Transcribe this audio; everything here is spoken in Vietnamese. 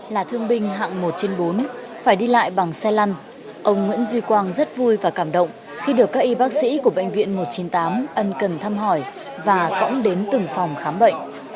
là thương binh hạng một trên bốn phải đi lại bằng xe lăn ông nguyễn duy quang rất vui và cảm động khi được các y bác sĩ của bệnh viện một trăm chín mươi tám ân cần thăm hỏi và cõng đến từng phòng khám bệnh